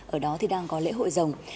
ở đó thì đang có lễ hội rồng